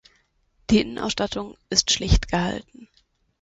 Die Innenausstattung ist schlicht gehalten.